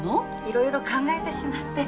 いろいろ考えてしまって。